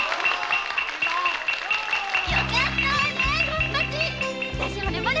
よかったわね